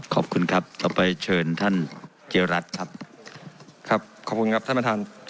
ขอบคุณครับต่อไปเชิญท่านเจรัตน์ครับครับขอบคุณครับท่านประธาน